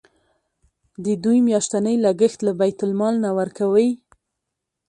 د دوی میاشتنی لګښت له بیت المال نه ورکوئ.